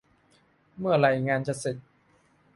เมื่อไรงานจะเสร็จ